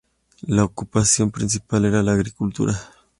La ocupación principal era la agricultura.